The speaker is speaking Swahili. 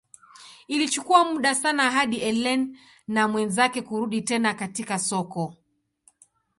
Ilichukua muda sana hadi Ellen na mwenzake kurudi tena katika soko.